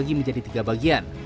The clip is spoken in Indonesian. terbagi menjadi tiga bagian